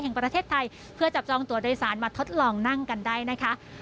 แห่งประเทศไทยเพื่อจับจองตัวโดยสารมาทดลองนั่งกันได้นะคะ